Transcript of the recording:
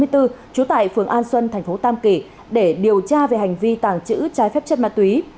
trú tại phường an xuân thành phố tam kỳ để điều tra về hành vi tàng trữ trái phép chất ma túy